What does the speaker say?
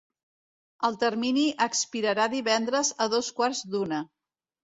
El termini expirarà divendres a dos quarts d’una.